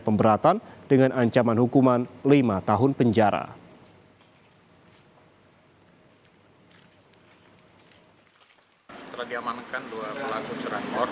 pemberatan dengan ancaman hukuman lima tahun penjara telah diamankan dua pelaku curanmor